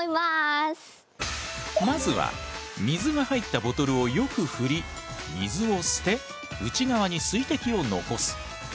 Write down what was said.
まずは水が入ったボトルをよく振り水を捨て内側に水滴を残す。